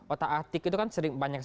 otak atik itu kan sering banyak